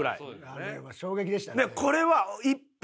あれは衝撃でしたね。